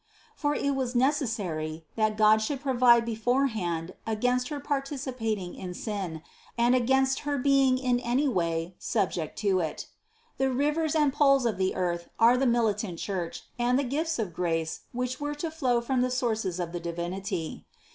For it was necessary, that God should provide beforehand against her participating in sin and against her being in any way subject to it. The rivers and poles of the earth are the militant Church and the gifts of grace which were to flow from the sources of the Divinity.